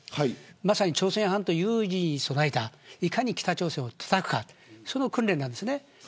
まさに朝鮮半島有事に備えたいかに北朝鮮をたたくかという訓練です。